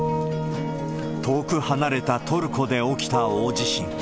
遠く離れたトルコで起きた大地震。